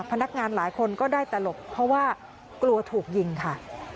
พนักงานหลายคนก็ได้แต่หลบเพราะว่ากลัวถูกยิงค่ะ